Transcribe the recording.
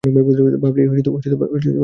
ভাবলেই গায়ে কাটা দিয়ে ওঠে।